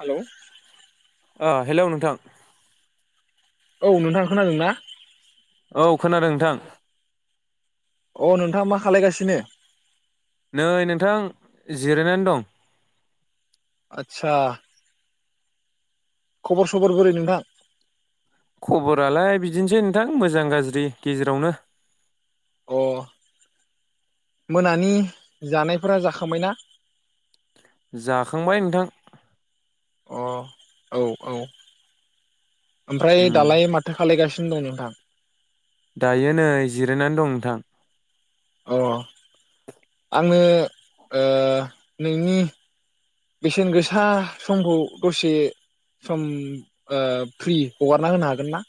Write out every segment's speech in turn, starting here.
Hello. ओ hello नोंथां औ नोंथां खोनादोंना? औ खोनादों नोंथां अ नोंथां मा खालायगासिनो? नै नोंथां जिरायनानै दं। आतसा खबर सबर बोरै नोंथां? खबरालाय बिदिनोसै नोंथां मोजां गाज्रि गेजेरावनो। अ मोनानि जानायफोरा जाखांबायना? जाखांबाय नोंथां। अ औ औ ओमफ्राय उम दालाय माथो खालायगासि नो दं नोंथां? दायो नै जिरायनानै दं नोंथां। अ जोङो ओ नोंनि बेसेन गोसा समखौ दसे सम ओ फ्रि हगारना होनो हागोन ना?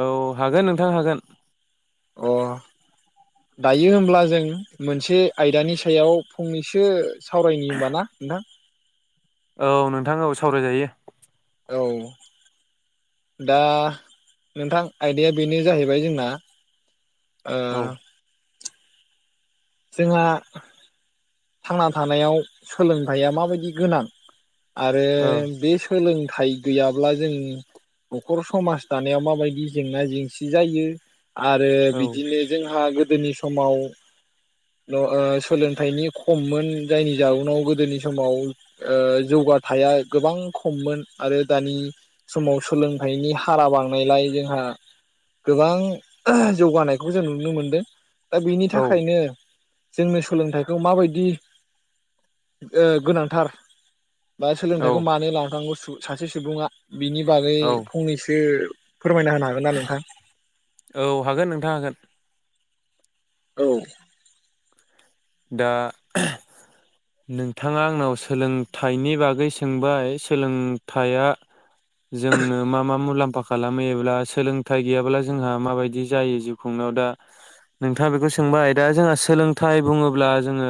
औ हागोन नोंथां हागोन। अ दायो होनब्ला जों मोनसे आयदानि सायाव फंनैसो सावरायनि होनबा ना नोंथां। औ नोंथां औ सावरायजायो। औ दा नोंथां आयदाया बेनो जाहैबाय जोंना ओ औ जोंहा थांना थानायाव सोलोंथाइया माबायदि गोनां आरो ओ बे सोलों थाय गैयाब्ला जों न'खर समाज दानायाव माबायदि जेंना जेंसि जायो। आरो औ बिदिनो जोंहा गो दोनि समाव ओ सोलोंथाइनि खममोन जायनि जाउनाव गोदोनि समाव ओ जौगाथाइया गोबां खममोन आरो दानि समाव सोलोंथाइनि हारा बांनायलाय जोंहा गोबां ओह जौगानायखौ जों नुनो मोनदों। दा बेनि औ थाखायनो जोंनो सोलोंथाइखौ माबायदि ओ गोनांथार। बा औ सोलोंथाइखौ मानो लानांगौ सासे सुबुङा बिनि बागै औ फंनैसो फोरमायना होनो हागोन ना नोंथां? औ हागोन नोंथां हागोन औ दा नोंथाङा आंनाव सोलोंथाइनि बागै सोंबाय सोलोंथाइया जोंनो मा मा मुलाम्फा खालामो एब्ला सोलोंथाइ गैयाब्ला जोंहा माबायदि जायो जिउ खुंनायाव दा नोंथाङा बेखौ सोंबाय दा जोंहा सोलोंथाइ बुङो ब्ला जोङो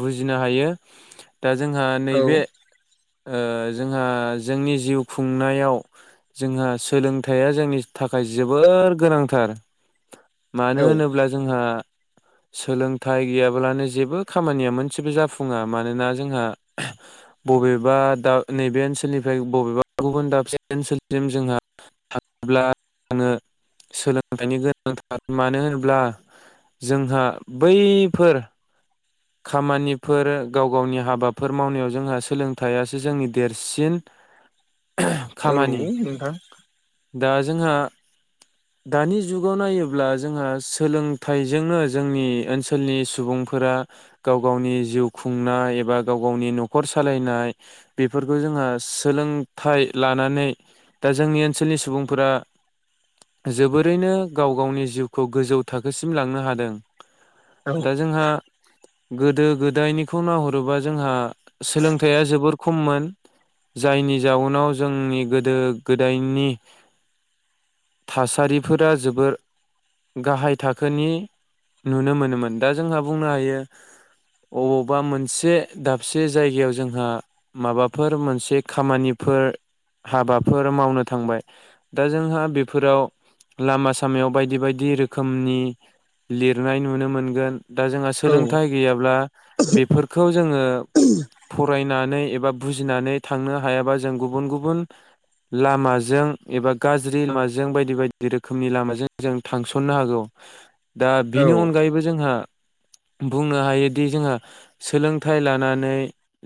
बुजिनो हायो दा जोंहा औ नैबे ओ जोंहा जोंनि जिउ खुंनायाव जोंहा सोलोंथाइया जोंनि थाखाय जोबोर गोनांथार। मानो औ होनोब्ला जोंहा सोलोंथाइ गैयाब्लानो जेबो खामानिया मोनसेबो जाफुङा मानोना जोंहा बबेबा दा नैबे ओनसोलनिफ्राय बबेबा गुबुन दाबसे ओनसोलसिम जोंहा थाङोब्ला जोंनो सोलोंथाइनि गोनांथार मानो होनब्ला जोंहा बैफोर खामानिफोर गाव गावनि हाबाफोर मावनायाव जोंहा सोलोंथाइसो जोंनि देरसिन। औ खामानि नोंथां। दा जोंहा दानि जुगाव नायोब्ला जोंहा सोलोंथाइजोंनो जोंनि ओनसोलनि सुबुंफोरा गाव गावनि जिउ खुंनाय एबा गाव गावनि न'खर सालायनाय बेफोरखौ जोंहा सोलोंथाइ लानानै दा जोंनि ओनसोलनि सुबुंफोरा जोबोरैनो गाव गावनि जिउखौ गोजौ थाखोसिम लांनो हादों। औ दा जोंहा गोदो गोदायनिखौ नाहरोबा जोंहा सोलोंथाइया जोबोर खममोन जायनि जाउनाव जोंनि गोदो गोदायनि थासारिफोरा जोबोर गाहाय थाखोनि नुनो मोनोमोन। दा जोंहा बुंनो हायो अबावबा मोनसे दाबसे जायगायाव जोंहा माबाफोर मोनसे खामानिफोर हाबाफोर मावनो थांबाय दा जोंहा बे फोराव लामा सामायाव बायदि बायदि रोखोमनि लिरनाय नुनो मोनगोन। दा जोंहा औ सोलोंथाइ गैयाब्ला बेफोरखौ जोंङो फरायनानै एबा बुजिनानै थांनो हायाबा जों गुबुन गुबुन लामाजों एबा गाज्रि लामाजों जों बायदि बायदि रोखोमनि लामाजों जों थांसननो हागौ‌। दा औ बिनि अनगायैबो जोंहा बुंनो हायोदि जोंहा सोलोंथाइ लानानै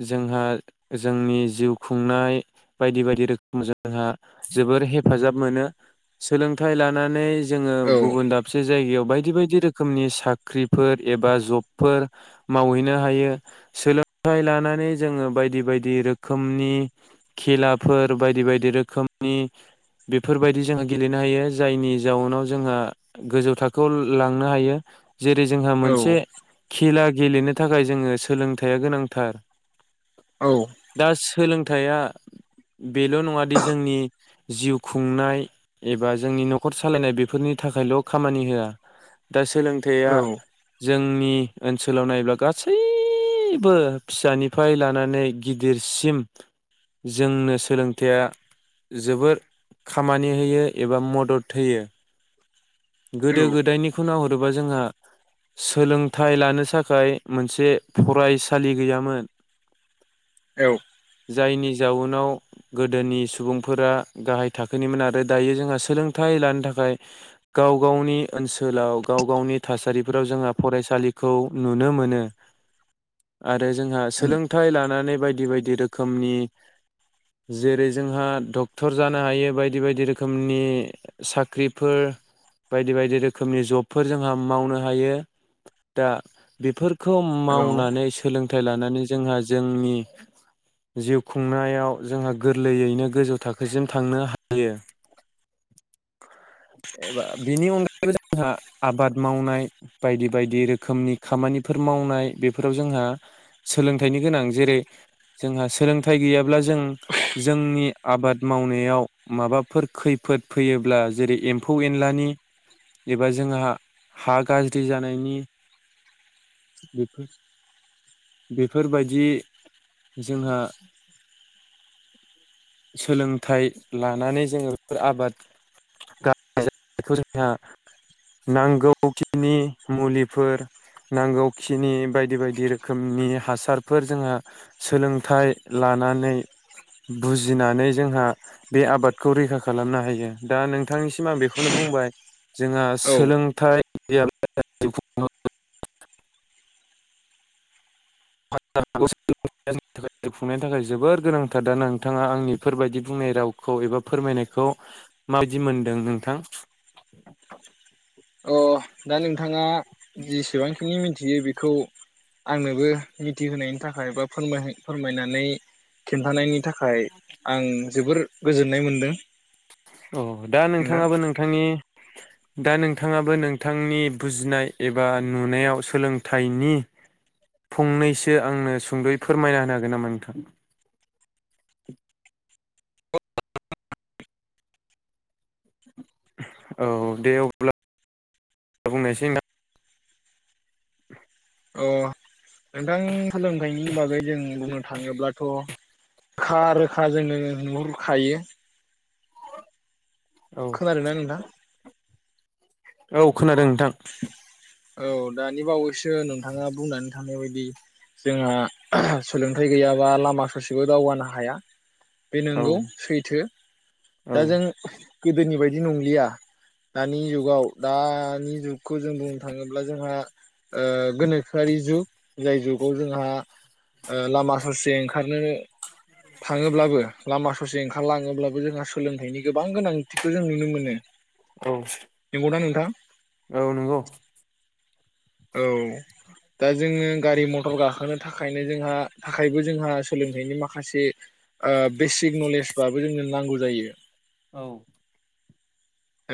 जोंहा जोंनि जिउ खुंनाय बायदि बायदि रोखोम जोंहा जोबोर हेफाजाब मोनो। सोलोंथाइ लानानै जोंङो औ गुबुन दाबसे जायगायाव बायदि बायदि रोखोमनि साख्रिफोर एबा जबफोर मावहैनो हायो सोलोंथाइ लानानै जोंङो बायदि बायदि रोखोमनि खेलाफोर बायदि बायदि रोखोमनि बेफोरबायदि जो गेलेनो हायो जायनि जाउनाव जोंहा गोजौ थाखोआव लांनो हायो। जेरै जोंहा औ मोनसे खेला गेलेनो थाखाय जोंङो सोलोंथाइया गोनांथार। दास सोलोंथाइया बेल' नंङा दि जोंनि जिउ खुंनाय एबा जोंनि न'खर सालायनाय बेफोरनि थाखायल' खामानि होआ दा सोलोंथाइया औ जोंनि ओनसोलाव नायोब्ला गासैबो फिसानिफ्राय लानानै गिदिरसिम जोंनो सोलोंथाइया जोबोर खामानि। होयो एबा मदद होयो। गोदो गोदायनिफ्राय दिनाव ओरैनोबा जोंहा सोलोंथाइ लानो थाखाय मोनसे फरायसालि गैयामोन। औ जायनि जाउनाव गोदोनि सुबुंफोरा गाहाय थाखोनिमोन आरो दायो जोंहा सोलोंथाइ लानो थाखाय गाव गावनि ओनसोलाव गाव गावनि थासारिफोराव जोंहा फरायसालिखौ नुनो मोनो आरो जोंहा सोलोंथाइ लानानै बायदि बायदि बायदि रोखोमनि जेरै जोंहा डक्टर जानो हायो बायदि बायदि रोखोमनि साख्रिफोर बायदि बायदि रोखोमनि जबफोर जोंहा मावनो हायो ।दा बेफोर खौ औ मावनानै सोलों थाइ लानानै जोंहा जोंनि जिउ खुंनायाव जोंहा गोरलैयैनो गोजौ थाखोसिम थांनो हायो। एबा बेनि अनगायैबो जोंहा आबाद मावनाय बायदि बायदि रोखोमनि खामानिफोर मावनाय बेफोराव जोंहा सोलोंथाइनि गोनां जेरै जोंहा सोलोंथाइ गैयाब्ला जों जोंनि आबाद मावनायाव माबाफोर खैफोद फैयोब्ला जेरै एम्फौ-एनलानि एबा जोंहा हा गाज्रि जानायनि बेफोरबायदि जोंहा सोलोंथाइ लानानै जोंङो बेफोर आबाद जोंहा नांगौखिनि मुलिफोर नांगौखिनि बायदि बायदि रोखोमनि हासारफोर जोंहा सोलोंथाइ लानानै बुजिनानै जोंहा बे आबादखौ रैखा खालामनो हायो दा नोंथांनि सिमां बेखौनो बुंबाय जोंहा औ सोलोंथाइ [inaudible] [inaudible] खुंनायनि थाखाय जोबोर गोनांथार दा नोंथाङा आंनि इफोरबायदि बुंनाय रावखौ एबा फोरमायनायखौ माबायदि मोनदों नोंथां? अ दा नोंथाङा जेसेबां खिनि मिन्थियो बेखौ आंनोबो मिथिहोनायनि थाखाय बा फोरहाय फोरमायनानै खिन्थानायनि थाखाय आं जोबोर गोजोननाय मोन्दों। औ दा नोंथाङाबो नोंथांनि दा नोंथाङाबो नोंथांनि बुजिनाय एबा नुनायाव सोलोंथाइनि फंनैसो आंनो सुंद'यै फोरमायना होनो हागोन नामा नोंथां? औ दे अब्ला बुंनोसै नोंथां औ औ अ नोंथां सोलोंथाइनि बागै जों बुंनो थाङोब्लाथ' खा रोखा जोंनोनो नुहुर खायो। औ खोनादोंना नोंथां औ खोनादों नोंथां। औ दानि बावै सो नोंथाङा बुंनानै थांनाय बाय दि जोंहा सोलोंथाइ गैयाबा लामा ससेबो दावगानो हाया। बे औ नोंगौ सैथो दा औ जों गोदोनि बायदि नंलिया दानि जुगाव दानि जुगखौ जों बुं ओ गोनोखोआरि जुग जाय जुगाव जोंहा ओ लामा ससे ओंखारनो थाङोब्लाबो लामा ससे ओंखारलाङोब्लाबो जोंहा सोलोंथाइनि गोबां गोनांथि खो जों नुनो मोनो औ नोंगौना नोंथां। औ नोंगौ औ दा जोङो गारि मथर गाखोनो थाखायनो जोंहा थाखायबो जोंहा सोलोंथाइनि माखासे ओ बेसिक नलेजबाबो जोंनो नांगौ जायो। औ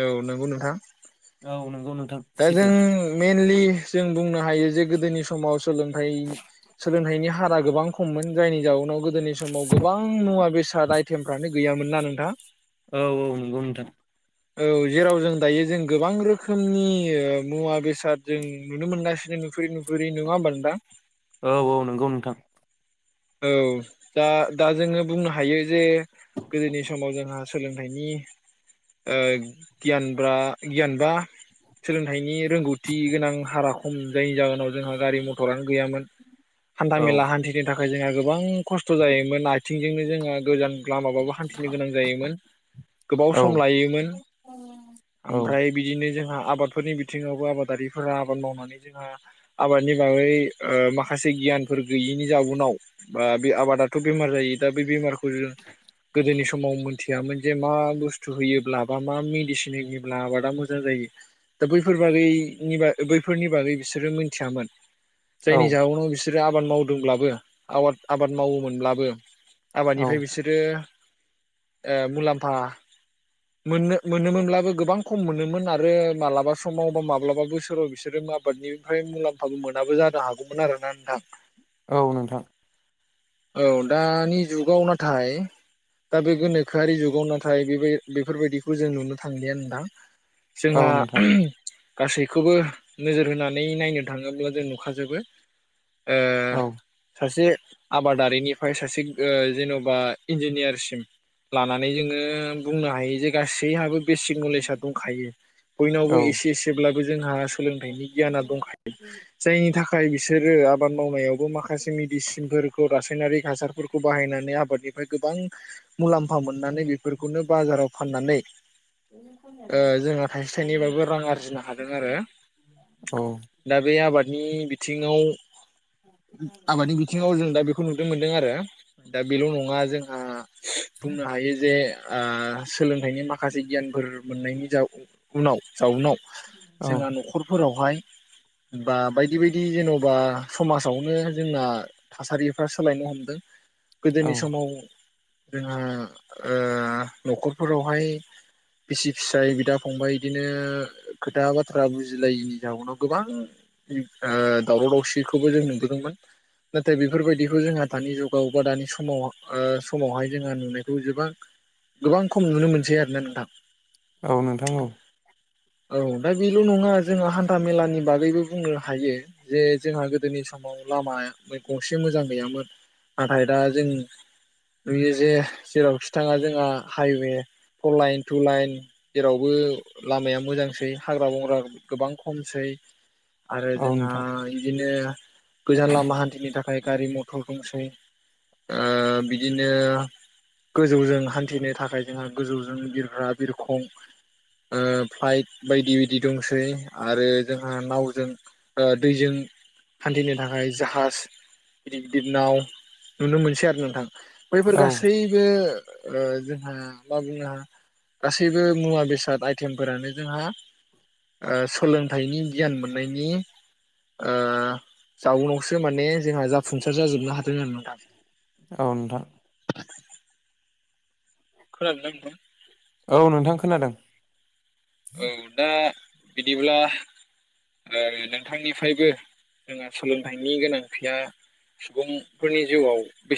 औ नोंगौ नोंथां औ नंगौ नोंथां दा सैथो जों मेनलि जों बुंनो हायो जे गोदोनि समाव सोलोंथाइ सोलोंथाइनि हारा गोबां खममोन जायनि जाउनाव गो दिनि समाव गोबां मुवा बेसाद आइटेमफ्रानो गैयामोन ना नों थां औ औ नोंगौ नोंथां औ जेराव जों दायो जों गोबां रोखोमनि ओ‌ मुवा बेसाद जों नुनो मोनगासिनो नुफुरि नुफुरि नङा होमबा नोंथां। औ औ नोंगौ नोंथां औ दा दा जोङो बुंनो हायो जे गोदोनि समाव जोंहा सोलोंथाइनि ओ गियानब्रा गियानबा सोलोंथाइनि रोंगौथि गोनां हारा खम जायनि जाहोनाव जोंहा गारि मथरानो गैयामोन हान्था औ मेला हान्थिनो था खाय जोंहा गोबां खस्थ' जायोमोन आथिंजोंनो जोंहा गोजान लामाबाबो हान्थिनो गोनां जायोमोन गोबाव औ सम लायोमोन औ ओमफ्राय बिदिनो जोंहा आबादफोरनि बिथिङावबो आबादारिफोरा आबाद मावनानै जोंहा आबादनि बागै माखासे गियानफोर गैयिनि जाउनाव बा बे आबादाथ' बेमार जायो दा बे बेमारखौ जों गोदोनि समाव मोनथियामोन जे मा बुस्थु होयोब्ला बा मा मेडिसिन होयोब्ला आबादा मोजां जायो दा बैफोर बादिनि बैफोरनि बागै बिसोरो मोनथियामोन जायनि जावनाव बि सोर आबाद मावदोंब्लाबो आबाद आबाद मावोमोनब्लाबो औ आबादनिफ्राय बिसोरो मुलाम्फा मोननो मोनोमोनब्लाबो गोबां खम मोनोमोन आरो मालाबा समाव बा माब्लाबा बोसोराव बिसोरो आबादनिफ्राय मुलाम्फाबो मोनाबो जानो हागौमोन आरोना नोंथां औ नोंथां औ दानि जुगाव नाथाय दा बे गोनोखोआरि जुगाव नाथाय बेबाय बेफोरबायदिखौ जों नुनो थांलिया नोंथां औ जोंहा नोंथां गासैखौबो नोजोर होनानै नायनो थाङोब्ला जों नुखाजोबो ओ औ सासे [inaudible] आबादारिनिफ्राय सासे जेन'बा इन्जिनियारसिम लानानै जोङो बुंनो हायो जे गासैहाबो बेसिक नलेजआ दंखायो बयनावबो औ एसे एसेब्लाबो जोंहा सोलोंथाइनि गियाना दंखायो जायनि थाखाय बिसोरो आबाद मावनायावबो माखासे मेडिसिनफोर रासायनारि हासारफोरखौ बाहायनानै आबादनिफ्राय गोबां मुलाम्फा मोननानै बेफोरखौनो बाजाराव फाननानै जोंहा थाइसे थाइनैबाबो रां आरजिनो हादों आरो औ दा बे आबादनि बिथिङाव आबादनि बिथिङाव जों दा बेखौ नुनो मोनदों आरो दा बेल' नङा जोंहा बुंनो हायो जे आ सोलोंथाइनि माखासे गियानफोर मोननायनि जा उनाव जाउनाव जोंहा न'खरफोराव हाय बा बायदि बायदि जेन'बा समाजावनो जोंना थासारि फ्रा सोलायनो हमदों औ गोदोनि समाव जोंहा न'खरफोरावहाय बिसि फिसाय बिदा फंबाय बिदिनो खोथा बाथ्रा बुजिलायिनि जाउनाव गोबां दावराव दावसिखौबो जों नुबोदोंमोन नाथाय बेफोरबायदि खौ जोंहा दानि जुगाव बा दानि समाव ओ समावहाय जोंहा नुनायखौ जोबां-गोबां खम नुनो मोनसै आरोना नोंथां । औ नोंथां औ औ दा बेल' नङा जोंहा हान्था मेलानि बागैबो बुंनो हायो जे जोंहा गोदोनि समाव लामा गंसे मोजां गैयामोन नाथाय दा जों नुयो जे जेरावखि थाङा जोंहा highway four line two line जेरावबो लामाया मोजांसै हाग्रा बंग्रा गोबां खमसै आरो औ जोंहा नोंथां इदिनो गोजान लामा हान्थिनो था खाय गारि म थर दंसै ओ बिदिनो गोजौजों हान्थिनो थाखाय जोंहा गोजौजों बिरग्रा बिरखं ओ फ्लाइट बायदि बायदि दंसै आरो जोंहा नावजों ओ दैजों हान्थिनो थाखाय जाहाज गिदिर गिदिर नाव नुनो मोनसै आरो नोंथां । बैफोर औ गासैबो ओ जोंहा मा बाबुंआ गासैबो मुवा बेसाद आइटेमफोरानो जोंहा ओ सोलोंथाइनि गियान मोननायनि ओ जाउनावसो माने जोंहा जा फुंसार जाजोबनो हा दों नोंथां औ नोंथां । नोंथां औ नोंथां खोनादों औ दा बिदिब्ला ओ नोंथांनिफ्रायबो जोंहा सोलोंथाइनि गोनांथिया सुबुंफोरनि जिउआव बेसे